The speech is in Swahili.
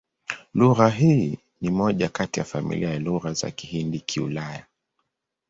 Lugha hii ni moja kati ya familia ya Lugha za Kihindi-Kiulaya.